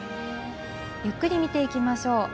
ゆっくり見ていきましょう。